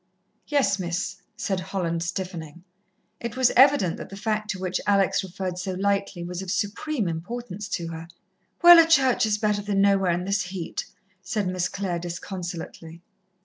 "Yes, Miss," said Holland, stiffening. It was evident that the fact to which Alex referred so lightly was of supreme importance to her. "Well, a church is better than nowhere in this heat," said Miss Clare disconsolately.